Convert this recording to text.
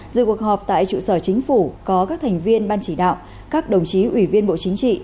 dự cuộc họp tại trụ sở chính phủ có các thành viên ban chỉ đạo các đồng chí ủy viên bộ chính trị